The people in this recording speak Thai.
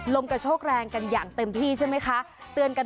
ล่มกระโชครังกันอย่างเต็มที่ใช่ไหมคะ